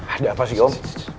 ada apa sih om